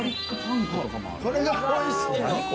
これがおいしいの。